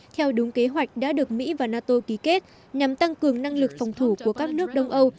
theo đúng kế hoạch đã được mỹ và nato ký kết nhằm tăng cường năng lực phòng thủ của các nước đông âu